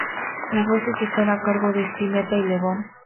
Las voces están a cargo de Spinetta y Lebón.